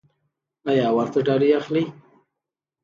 ایا ورته ډالۍ اخلئ؟